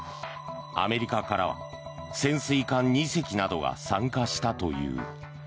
アメリカからは潜水艦２隻などが参加したという。